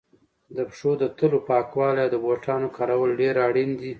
د پښو د تلو پاکوالی او د بوټانو کارول ډېر اړین دي.